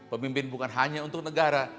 pemimpin bukan hanya untuk negara